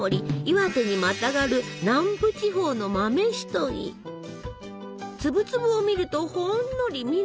岩手にまたがる南部地方の粒々を見るとほんのり緑。